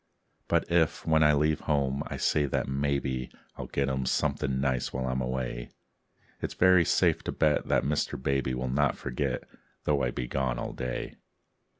But if, when I leave home, I say that maybe I'll get him something nice while I'm away, It's very safe to bet that Mr. Baby Will not forget, though I be gone all day.